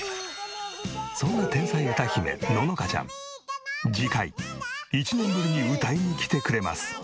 そんな天才歌姫ののかちゃん次回１年ぶりに歌いに来てくれます。